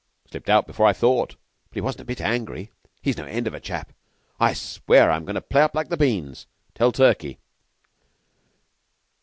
"Slipped out before I thought. But he wasn't a bit angry. He's no end of a chap. I swear, I'm goin' to play up like beans. Tell Turkey!"